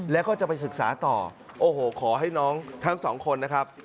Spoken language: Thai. แล้วก็จะไปศึกษาต่อโอ้โหขอให้น้องทั้งสองคนนะครับ